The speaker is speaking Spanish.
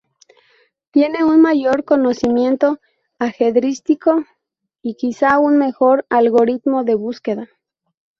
Tiene un mayor conocimiento ajedrecístico y quizá un mejor algoritmo de búsqueda.